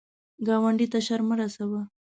ګاونډي ته شر مه رسوه